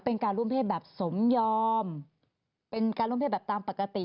เป็นการร่วมเพศแบบสมยอมเป็นการร่วมเพศแบบตามปกติ